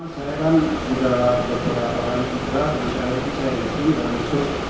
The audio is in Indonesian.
saya kan sudah berkurangan pindah jadi saya ingin saya ingin masuk